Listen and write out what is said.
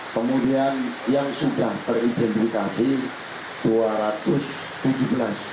kemudian yang sudah teridentifikasi dua ratus tujuh belas